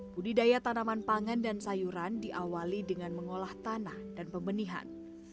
budidaya tanaman pangan dan sayuran diawali dengan mengolah tanah dan pembenihan